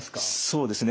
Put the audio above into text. そうですね。